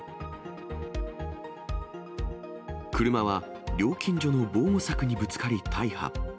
車は料金所の防護柵にぶつかり大破。